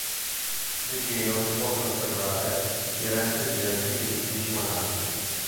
Vicino si possono osservare i resti degli antichi edifici monastici.